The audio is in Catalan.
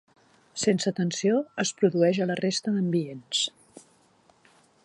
Sense tensió es produeix a la resta d'ambients.